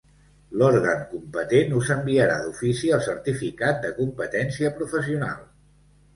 L'òrgan competent us enviarà d'ofici el certificat de competència professional.